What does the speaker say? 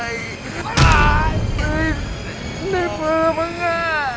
ได้เผาแล้วมึงอ่ะ